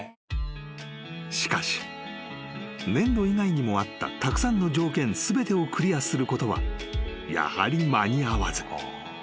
［しかし粘度以外にもあったたくさんの条件全てをクリアすることはやはり間に合わず］